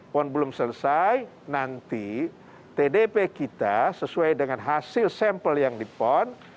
pon belum selesai nanti tdp kita sesuai dengan hasil sampel yang di pon